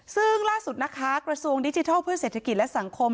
ซึ่งล่าสุดนะคะกระทรวงดิจิทัลเพื่อเศรษฐกิจและสังคม